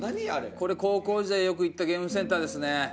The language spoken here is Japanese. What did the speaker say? これ高校時代よく行ったゲームセンターですね。